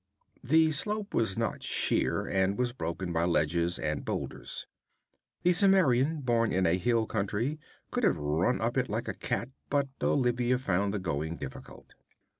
The slope was not sheer, and was broken by ledges and boulders. The Cimmerian, born in a hill country, could have run up it like a cat, but Olivia found the going difficult.